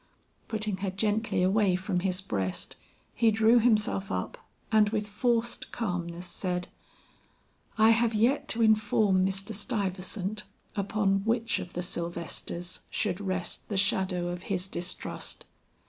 Putting her gently away from his breast, he drew himself up and with forced calmness said, "I have yet to inform Mr. Stuyvesant upon which of the Sylvesters' should rest the shadow of his distrust.